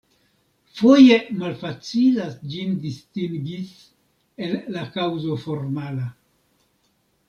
Foje malfacilas ĝin distingis el la kaŭzo formala.